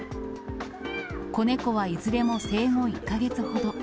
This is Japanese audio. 子猫はいずれも生後１か月ほど。